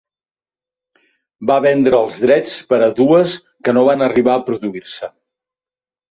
Va vendre els drets per a dues que no van arribar a produir-se.